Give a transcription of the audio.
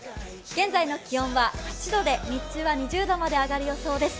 現在の気温は８度で日中は２０度まで上がる予想です。